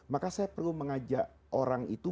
maka saya perlu mengajak orang itu